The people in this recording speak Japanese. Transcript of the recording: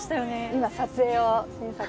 今撮影を新作の。